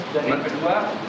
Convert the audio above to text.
dan yang kedua